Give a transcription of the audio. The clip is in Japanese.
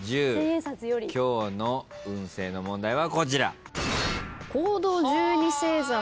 １０今日の運勢の問題はこちら。